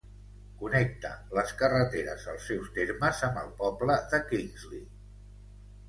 Connecta les carreteres als seus termes amb el poble de Kingsley.